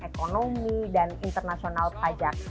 ekonomi dan internasional pajak